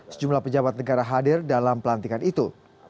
sejumlah pejabat negara hadir dalam pelantikan itu